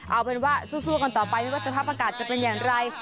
เอาเป็นว่าสู้กันต่อไปไม่ว่าสภาพอากาศจะเป็นอย่างไร